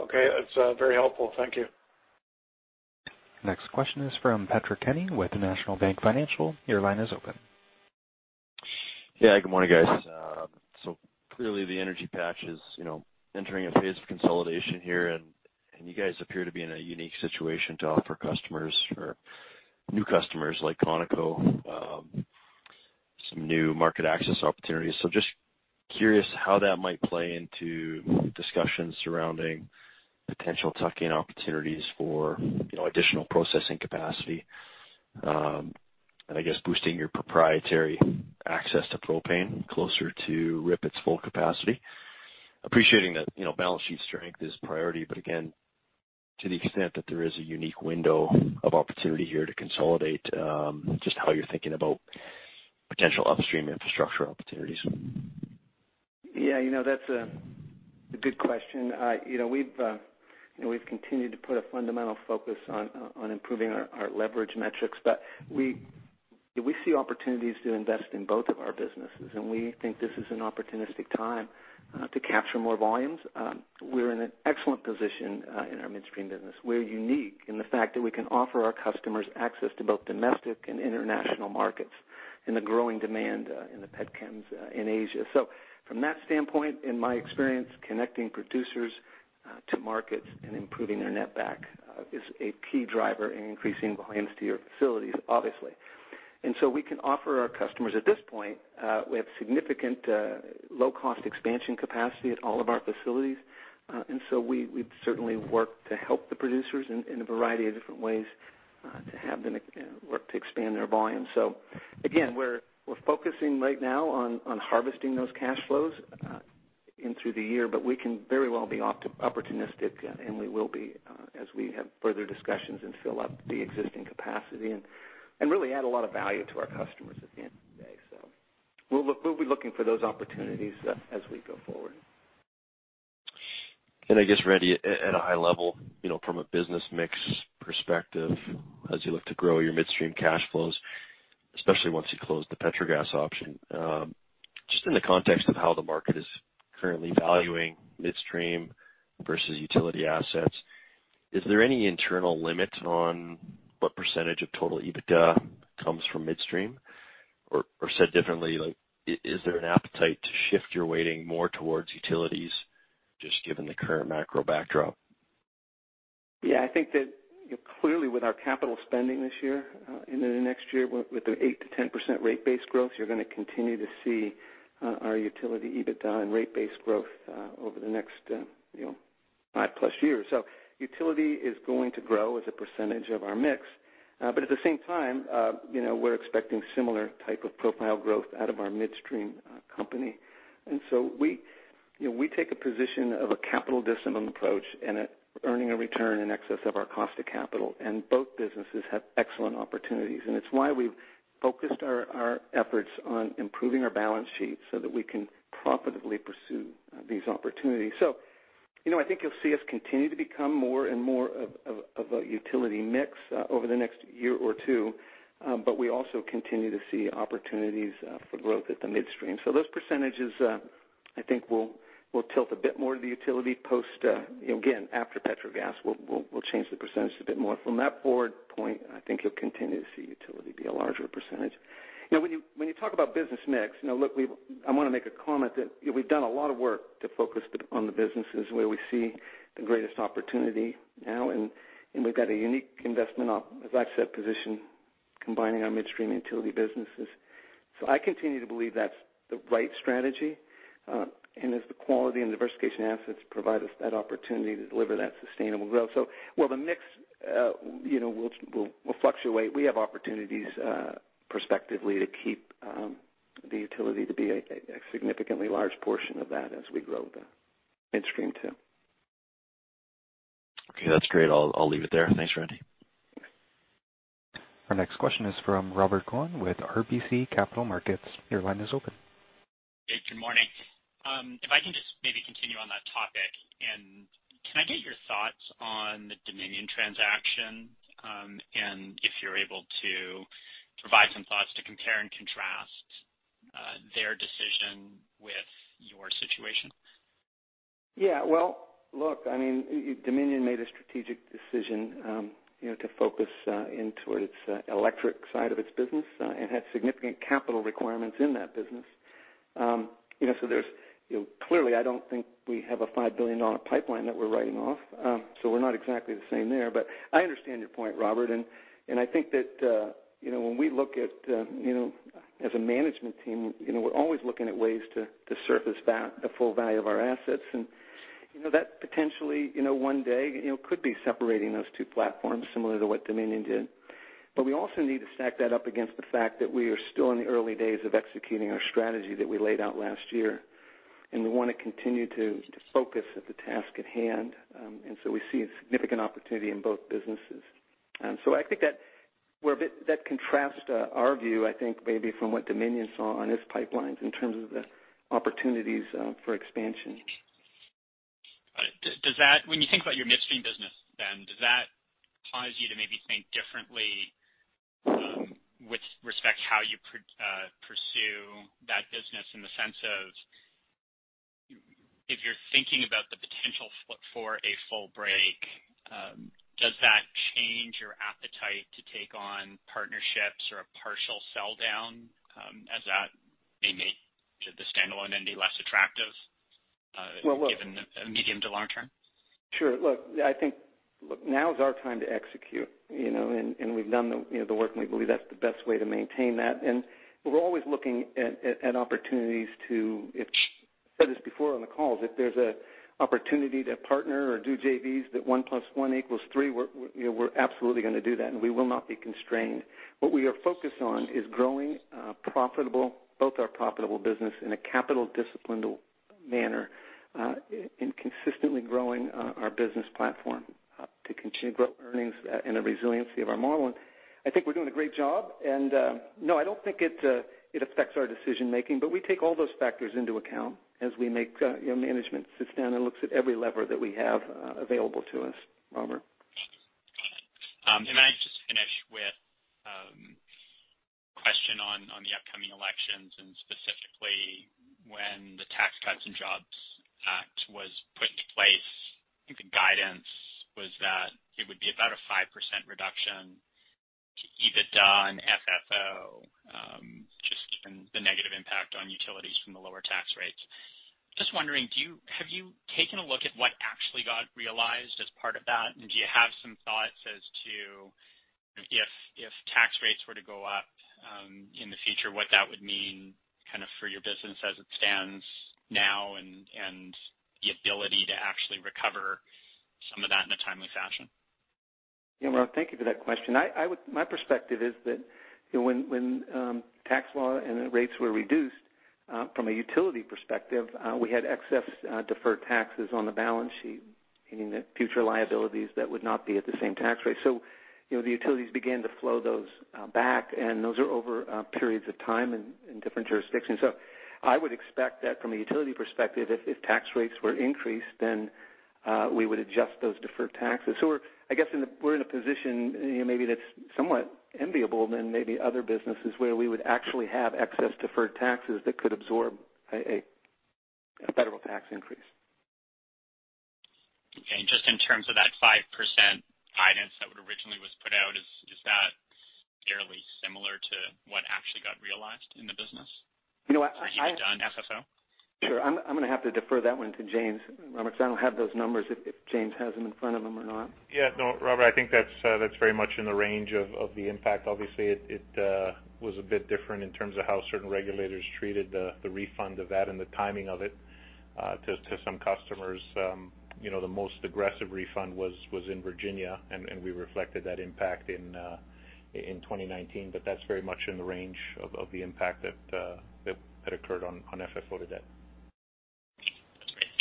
Okay, that's very helpful. Thank you. Next question is from Patrick Kenny with National Bank Financial. Your line is open. Yeah, good morning, guys. Clearly the energy patch is entering a phase of consolidation here and you guys appear to be in a unique situation to offer new customers like Conoco some new market access opportunities. Just curious how that might play into discussions surrounding potential tuck-in opportunities for additional processing capacity, and I guess boosting your proprietary access to propane closer to RIPET's full capacity. Appreciating that balance sheet strength is priority, but again, to the extent that there is a unique window of opportunity here to consolidate, just how you're thinking about potential upstream infrastructure opportunities? That's a good question. We've continued to put a fundamental focus on improving our leverage metrics, but we see opportunities to invest in both of our businesses, and we think this is an opportunistic time to capture more volumes. We're in an excellent position in our midstream business. We're unique in the fact that we can offer our customers access to both domestic and international markets in the growing demand in the petchems in Asia. From that standpoint, in my experience, connecting producers to markets and improving their net back is a key driver in increasing volumes to your facilities, obviously. We can offer our customers at this point, we have significant low-cost expansion capacity at all of our facilities. We'd certainly work to help the producers in a variety of different ways to have them work to expand their volume. Again, we're focusing right now on harvesting those cash flows in through the year, but we can very well be opportunistic, and we will be as we have further discussions and fill up the existing capacity and really add a lot of value to our customers at the end of the day. We'll be looking for those opportunities as we go forward. I guess, Randy, at a high level from a business mix perspective, as you look to grow your midstream cash flows, especially once you close the Petrogas option, just in the context of how the market is currently valuing midstream versus utility assets, is there any internal limit on what percentage of total EBITDA comes from midstream? Said differently, is there an appetite to shift your weighting more towards utilities, just given the current macro backdrop? Yeah, I think that clearly with our capital spending this year into the next year, with the 8%-10% rate base growth, you're going to continue to see our utility EBITDA and rate base growth over the next 5+ years. Utility is going to grow as a percentage of our mix. At the same time, we're expecting similar type of profile growth out of our midstream company. We take a position of a capital discipline approach and earning a return in excess of our cost of capital, and both businesses have excellent opportunities, and it's why we've focused our efforts on improving our balance sheet so that we can profitably pursue these opportunities. I think you'll see us continue to become more and more of a utility mix over the next year or two. We also continue to see opportunities for growth at the midstream. Those percentages I think will tilt a bit more to the Utility again, after Petrogas, we'll change the percentage a bit more. From that forward point, I think you'll continue to see utility be a larger percentage. When you talk about business mix, I want to make a comment that we've done a lot of work to focus on the businesses where we see the greatest opportunity now, and we've got a unique investment, as I've said, position combining our midstream utility businesses. I continue to believe that's the right strategy. As the quality and diversification assets provide us that opportunity to deliver that sustainable growth. While the mix will fluctuate, we have opportunities prospectively to keep the utility to be a significantly large portion of that as we grow the midstream too. Okay, that's great. I'll leave it there. Thanks, Randy. Our next question is from Robert Kwan with RBC Capital Markets. Your line is open. Good morning. If I can just maybe continue on that topic, and can I get your thoughts on the Dominion transaction? If you're able to provide some thoughts to compare and contrast their decision with your situation? Well, look, Dominion made a strategic decision to focus in toward its electric side of its business. It had significant capital requirements in that business. Clearly I don't think we have a 5 billion dollar pipeline that we're writing off. We're not exactly the same there. I understand your point, Robert, and I think that when we look at as a management team, we're always looking at ways to surface the full value of our assets. That potentially one day could be separating those two platforms similar to what Dominion did. We also need to stack that up against the fact that we are still in the early days of executing our strategy that we laid out last year, and we want to continue to focus at the task at hand. We see a significant opportunity in both businesses. I think that contrasts our view, I think maybe from what Dominion saw on its pipelines in terms of the opportunities for expansion. When you think about your midstream business, then does that cause you to maybe think differently, in the sense of, if you're thinking about the potential for a full break, does that change your appetite to take on partnerships or a partial sell-down, as that may make the standalone then be less attractive, given the medium to long term? Sure. Look, I think now is our time to execute. We've done the work, and we believe that's the best way to maintain that. We're always looking at opportunities. I've said this before on the calls, if there's an opportunity to partner or do JVs, that 1 + 1 = 3, we're absolutely going to do that, and we will not be constrained. What we are focused on is growing profitable, both our profitable business in a capital disciplined manner, and consistently growing our business platform to continue to grow earnings and the resiliency of our model. I think we're doing a great job. No, I don't think it affects our decision-making, but we take all those factors into account as management sits down and looks at every lever that we have available to us, Robert. Got it. May I just finish with a question on the upcoming elections and specifically when the Tax Cuts and Jobs Act was put into place? I think the guidance was that it would be about a 5% reduction to EBITDA and FFO, just given the negative impact on utilities from the lower tax rates. Just wondering, have you taken a look at what actually got realized as part of that, and do you have some thoughts as to if tax rates were to go up, in the future, what that would mean for your business as it stands now and the ability to actually recover some of that in a timely fashion? Yeah, Rob, thank you for that question. My perspective is that when tax law and rates were reduced, from a utility perspective, we had excess deferred taxes on the balance sheet, meaning that future liabilities that would not be at the same tax rate. The utilities began to flow those back, and those are over periods of time and in different jurisdictions. I would expect that from a utility perspective, if tax rates were increased, then we would adjust those deferred taxes. We're in a position maybe that's somewhat enviable than maybe other businesses where we would actually have excess deferred taxes that could absorb a federal tax increase. Okay. Just in terms of that 5% guidance that originally was put out, is that fairly similar to what actually got realized in the business? You know, I- EBITDA and FFO? Sure. I'm going to have to defer that one to James, Robert, because I don't have those numbers, if James has them in front of him or not. Yeah, no, Robert, I think that's very much in the range of the impact. It was a bit different in terms of how certain regulators treated the refund of that and the timing of it to some customers. The most aggressive refund was in Virginia, and we reflected that impact in 2019. That's very much in the range of the impact that occurred on FFO to debt. That's great.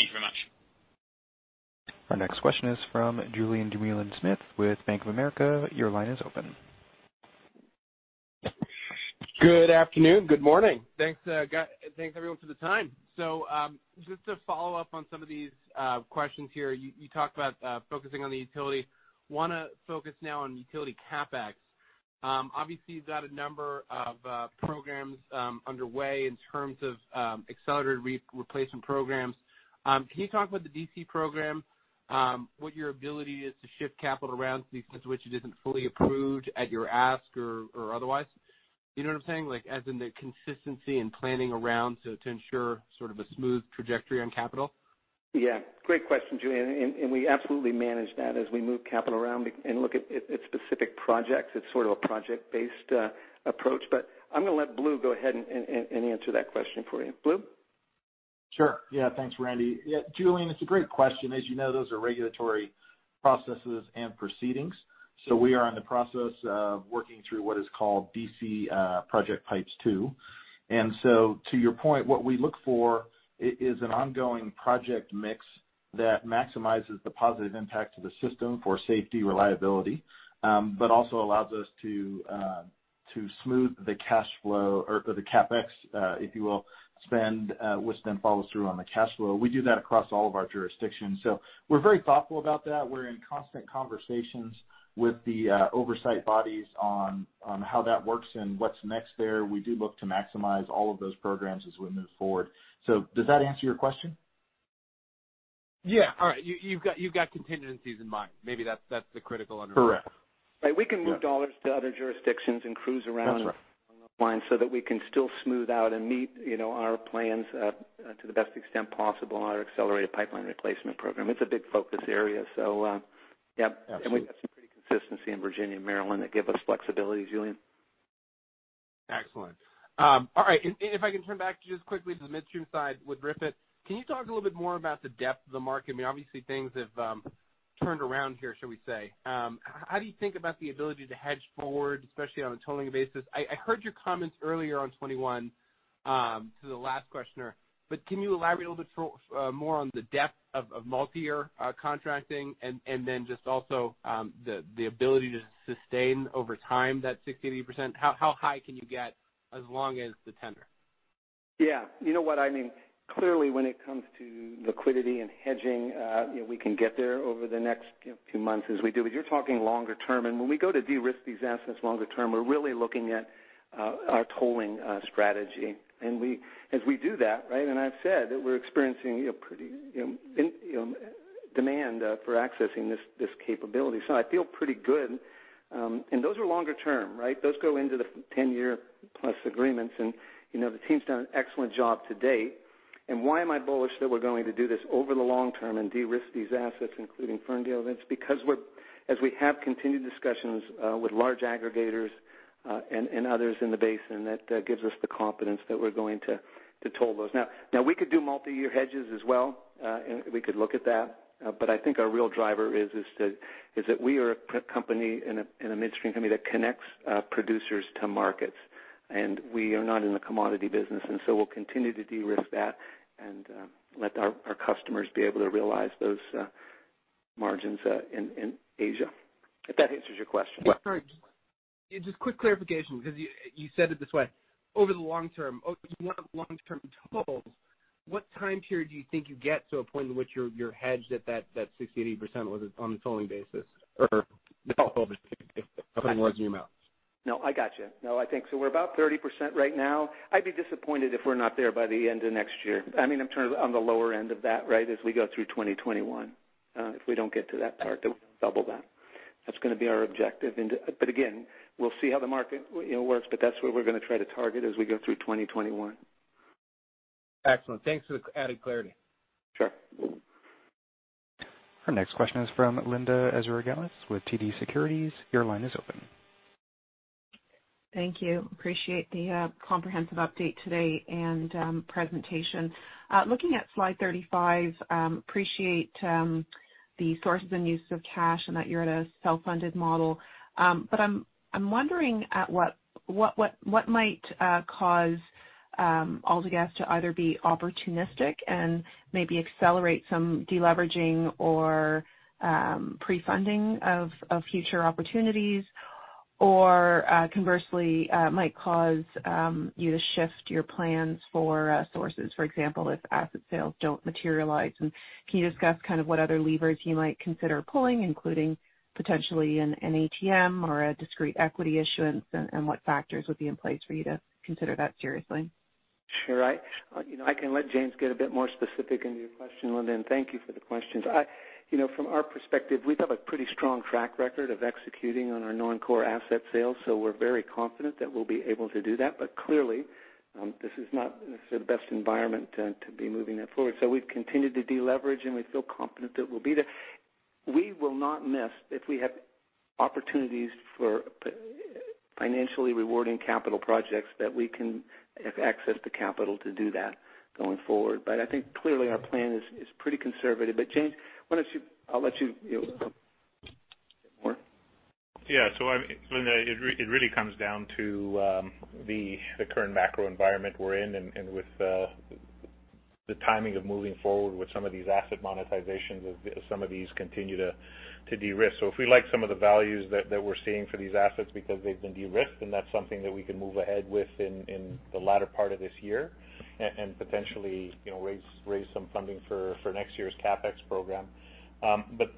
Thank you very much. Our next question is from Julien Dumoulin-Smith with Bank of America. Your line is open. Good afternoon. Good morning. Thanks, everyone for the time. Just to follow up on some of these questions here, you talked about focusing on the utility. Want to focus now on utility CapEx. Obviously, you've got a number of programs underway in terms of accelerated replacement programs. Can you talk about the D.C. program, what your ability is to shift capital around to the extent to which it isn't fully approved at your ask or otherwise? You know what I'm saying, as in the consistency in planning around to ensure sort of a smooth trajectory on capital? Yeah. Great question, Julien. We absolutely manage that as we move capital around and look at specific projects. It's sort of a project-based approach. I'm going to let Blue go ahead and answer that question for you. Blue? Sure. Thanks, Randy. Julien, it's a great question. As you know, those are regulatory processes and proceedings. We are in the process of working through what is called D.C. PROJECTpipes 2. To your point, what we look for is an ongoing project mix that maximizes the positive impact to the system for safety, reliability, but also allows us to smooth the cash flow or the CapEx, if you will, spend, which then follows through on the cash flow. We do that across all of our jurisdictions. We're very thoughtful about that. We're in constant conversations with the oversight bodies on how that works and what's next there. We do look to maximize all of those programs as we move forward. Does that answer your question? Yeah. All right. You've got contingencies in mind. Maybe that's the critical underlying- Correct. Right. We can move Canadian dollars to other jurisdictions. That's right. That we can still smooth out and meet our plans to the best extent possible on our accelerated pipeline replacement program. It's a big focus area. Yeah. Absolutely. We've got some pretty consistency in Virginia and Maryland that give us flexibility, Julien. Excellent. All right. If I can turn back just quickly to the midstream side with RIPET. Can you talk a little bit more about the depth of the market? I mean, obviously things have turned around here, shall we say. How do you think about the ability to hedge forward, especially on a tolling basis? I heard your comments earlier on 2021, to the last questioner, but can you elaborate a little bit more on the depth of multi-year contracting and then just also the ability to sustain over time that 60%-80%? How high can you get as long as the tenor? Yeah. You know what I mean? Clearly, when it comes to liquidity and hedging, we can get there over the next few months as we do. You're talking longer term, and when we go to de-risk these assets longer term, we're really looking at our tolling strategy. As we do that, and I've said that we're experiencing demand for accessing this capability. I feel pretty good. Those are longer term, right? Those go into the 10-year+ agreements. The team's done an excellent job to date. Why am I bullish that we're going to do this over the long term and de-risk these assets, including Ferndale? It's because as we have continued discussions with large aggregators and others in the basin, that gives us the confidence that we're going to toll those. Now, we could do multi-year hedges as well. We could look at that. I think our real driver is that we are a company and a midstream company that connects producers to markets, and we are not in the commodity business. We'll continue to de-risk that and let our customers be able to realize those margins in Asia. If that answers your question. Sorry. Just quick clarification, because you said it this way. Over the long term, as one of the long-term totals, what time period do you think you get to a point in which you're hedged at that 60%, 80% on a tolling basis or double the volume amounts? I got you. I think we're about 30% right now. I'd be disappointed if we're not there by the end of next year. I'm turning on the lower end of that as we go through 2021. If we don't get to that part, to double that's going to be our objective. Again, we'll see how the market works, that's where we're going to try to target as we go through 2021. Excellent. Thanks for the added clarity. Sure. Our next question is from Linda Ezergailis with TD Securities. Your line is open. Thank you. Appreciate the comprehensive update today and presentation. Looking at slide 35, appreciate the sources and uses of cash and that you're at a self-funded model. I'm wondering what might cause AltaGas to either be opportunistic and maybe accelerate some de-leveraging or pre-funding of future opportunities, or conversely, might cause you to shift your plans for sources, for example, if asset sales don't materialize. Can you discuss kind of what other levers you might consider pulling, including potentially an ATM or a discrete equity issuance, and what factors would be in place for you to consider that seriously? Sure. I can let James get a bit more specific into your question, Linda, and thank you for the questions. From our perspective, we have a pretty strong track record of executing on our non-core asset sales, so we're very confident that we'll be able to do that. Clearly, this is not necessarily the best environment to be moving that forward. We've continued to de-leverage, and we feel confident that we'll be there. We will not miss if we have opportunities for financially rewarding capital projects that we can have access to capital to do that going forward. I think clearly our plan is pretty conservative. James, I'll let you say more. Linda, it really comes down to the current macro environment we're in and with the timing of moving forward with some of these asset monetizations as some of these continue to de-risk. If we like some of the values that we're seeing for these assets because they've been de-risked, then that's something that we can move ahead with in the latter part of this year and potentially raise some funding for next year's CapEx program.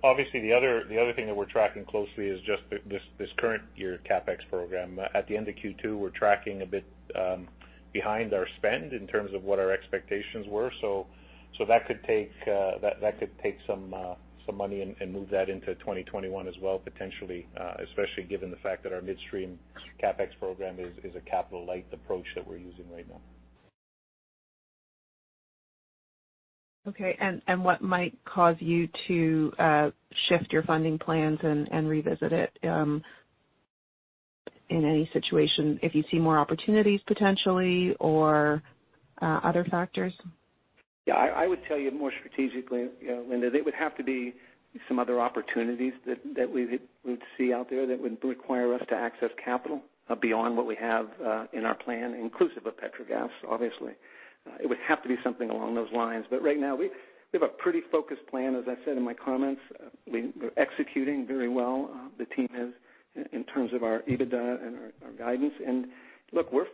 Obviously, the other thing that we're tracking closely is just this current year CapEx program. At the end of Q2, we're tracking a bit behind our spend in terms of what our expectations were. That could take some money and move that into 2021 as well, potentially, especially given the fact that our midstream CapEx program is a capital-light approach that we're using right now. Okay. What might cause you to shift your funding plans and revisit it in any situation? If you see more opportunities potentially or other factors? I would tell you more strategically, Linda, that it would have to be some other opportunities that we would see out there that would require us to access capital beyond what we have in our plan, inclusive of Petrogas, obviously. It would have to be something along those lines. Right now, we have a pretty focused plan. As I said in my comments, we're executing very well. The team has in terms of our EBITDA and our guidance. Look, we're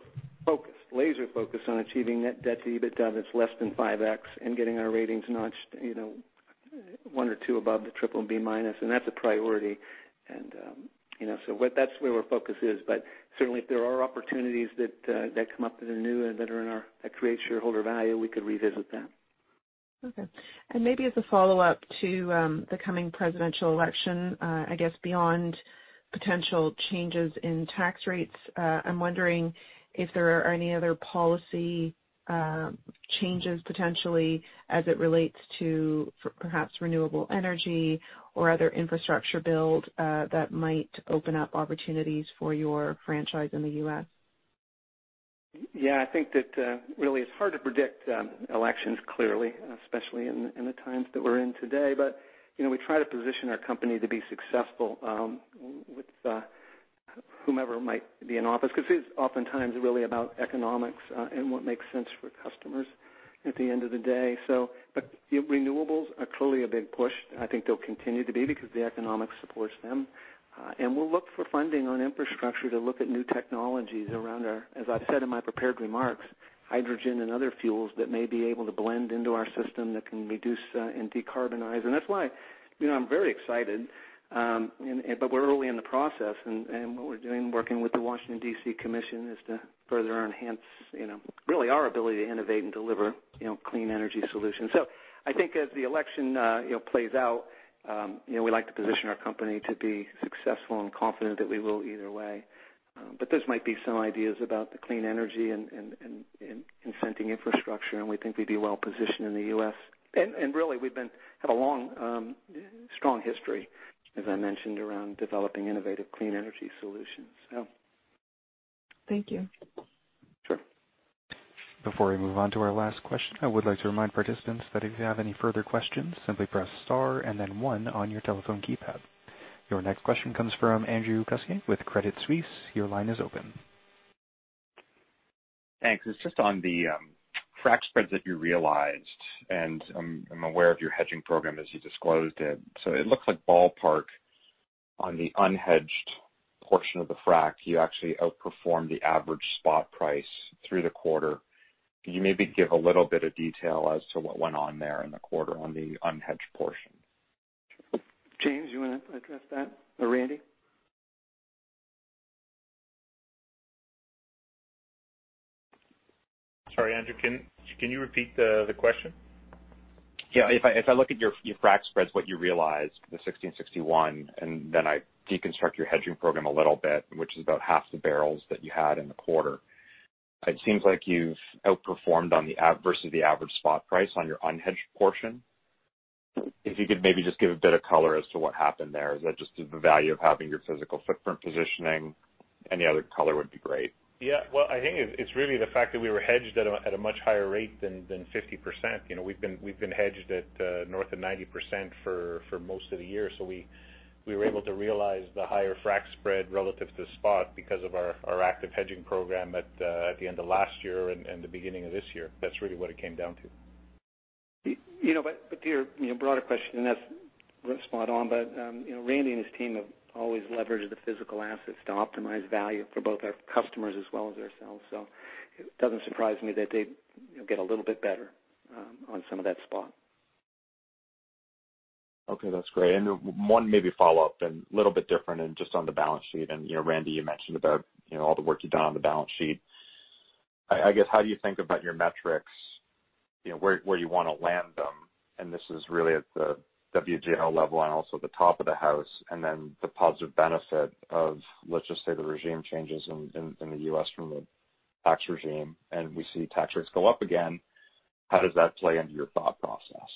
focused, laser-focused on achieving net debt to EBITDA that's less than 5x and getting our ratings notched one or two above the BBB-. That's a priority. That's where our focus is. Certainly, if there are opportunities that come up that are new and that create shareholder value, we could revisit them. Okay. Maybe as a follow-up to the coming presidential election, I guess beyond potential changes in tax rates, I'm wondering if there are any other policy changes potentially as it relates to perhaps renewable energy or other infrastructure build that might open up opportunities for your franchise in the U.S.? Yeah, I think that really it's hard to predict elections clearly, especially in the times that we're in today. We try to position our company to be successful with whomever might be in office, because it's oftentimes really about economics and what makes sense for customers at the end of the day. Renewables are clearly a big push. I think they'll continue to be because the economics supports them. We'll look for funding on infrastructure to look at new technologies around our, as I've said in my prepared remarks, hydrogen and other fuels that may be able to blend into our system that can reduce and decarbonize. That's why I'm very excited. We're early in the process, and what we're doing, working with the Washington, D.C. Commission, is to further enhance really our ability to innovate and deliver clean energy solutions. I think as the election plays out, we like to position our company to be successful and confident that we will either way. Those might be some ideas about the clean energy and incenting infrastructure, and we think we'd be well-positioned in the U.S. Really, we've had a long, strong history, as I mentioned, around developing innovative clean energy solutions. Thank you. Sure. Before we move on to our last question, I would like to remind participants that if you have any further questions, simply press star and then one on your telephone keypad. Your next question comes from Andrew Kuske with Credit Suisse. Your line is open. Thanks. It's just on the frac spreads that you realized, and I'm aware of your hedging program as you disclosed it. It looks like ballpark on the unhedged portion of the frac, you actually outperformed the average spot price through the quarter. Can you maybe give a little bit of detail as to what went on there in the quarter on the unhedged portion? James, you want to address that? Or Randy? Sorry, Andrew, can you repeat the question? Yeah. If I look at your frac spreads, what you realized, the 1,661, then I deconstruct your hedging program a little bit, which is about half the barrels that you had in the quarter. It seems like you've outperformed versus the average spot price on your unhedged portion. If you could maybe just give a bit of color as to what happened there. Is that just the value of having your physical footprint positioning? Any other color would be great. Yeah. Well, I think it's really the fact that we were hedged at a much higher rate than 50%. We've been hedged at north of 90% for most of the year. We were able to realize the higher frac spread relative to spot because of our active hedging program at the end of last year and the beginning of this year. That's really what it came down to. To your broader question, that's spot on. Randy and his team have always leveraged the physical assets to optimize value for both our customers as well as ourselves. It doesn't surprise me that they get a little bit better on some of that spot. Okay, that's great. One maybe follow-up, and a little bit different, and just on the balance sheet, Randy, you mentioned about all the work you've done on the balance sheet. I guess, how do you think about your metrics, where you want to land them? This is really at the WGL level and also the top of the house, and then the positive benefit of, let's just say, the regime changes in the U.S. from a tax regime, and we see tax rates go up again. How does that play into your thought process?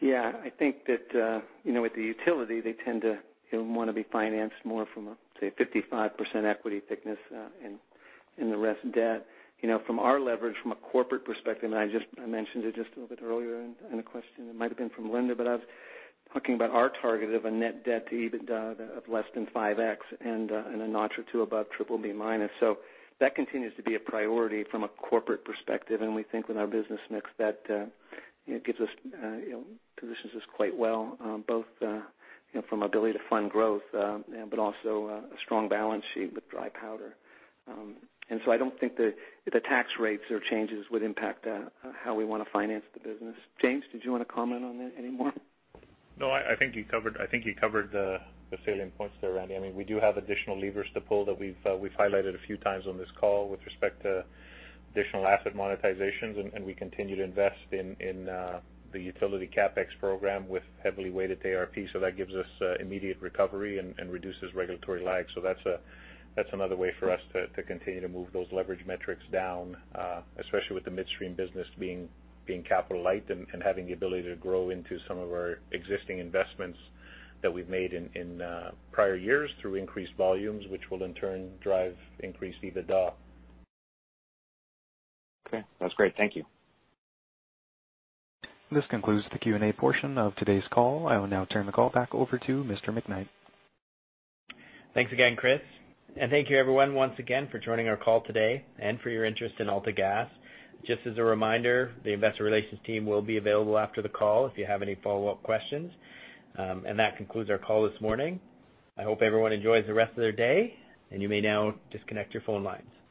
Yeah. I think that with the utility, they tend to want to be financed more from, say, 55% equity thickness and the rest debt. From our leverage from a corporate perspective, and I mentioned it just a little bit earlier in a question, it might have been from Linda, but I was talking about our target of a net debt to EBITDA of less than 5x and a notch or two above BBB-. That continues to be a priority from a corporate perspective, and we think with our business mix that positions us quite well, both from ability to fund growth, but also a strong balance sheet with dry powder. I don't think the tax rates or changes would impact how we want to finance the business. James, did you want to comment on that any more? I think you covered the salient points there, Randy. We do have additional levers to pull that we've highlighted a few times on this call with respect to additional asset monetizations, and we continue to invest in the utility CapEx program with heavily weighted ARP, so that gives us immediate recovery and reduces regulatory lag. That's another way for us to continue to move those leverage metrics down, especially with the midstream business being capital light and having the ability to grow into some of our existing investments that we've made in prior years through increased volumes, which will in turn drive increased EBITDA. Okay. That's great. Thank you. This concludes the Q&A portion of today's call. I will now turn the call back over to Mr. McKnight. Thanks again, Chris. Thank you, everyone, once again for joining our call today and for your interest in AltaGas. Just as a reminder, the investor relations team will be available after the call if you have any follow-up questions. That concludes our call this morning. I hope everyone enjoys the rest of their day, and you may now disconnect your phone lines.